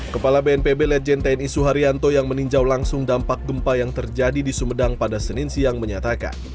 kepala bnpb lejen tni suharyanto yang meninjau langsung dampak gempa yang terjadi di sumedang pada senin siang menyatakan